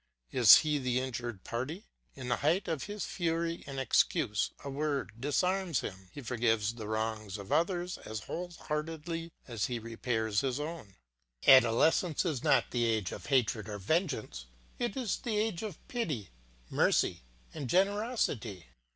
Is he the injured party, in the height of his fury an excuse, a word, disarms him; he forgives the wrongs of others as whole heartedly as he repairs his own. Adolescence is not the age of hatred or vengeance; it is the age of pity, mercy, and generosity.